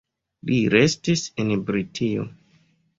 Li restis en Britio.